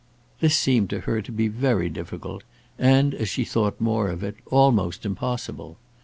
This seemed to her to be very difficult, and, as she thought more of it, almost impossible.